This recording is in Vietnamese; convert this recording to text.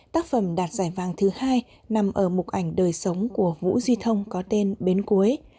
tác phẩm đạt giải vàng thứ hai nằm ở mục ảnh đời sống của vũ duy thông có tên bến cuối